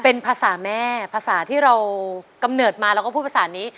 เป็นภาษาแม่ภาษาที่เรากำเนิดมาเราก็พูดภาษานี้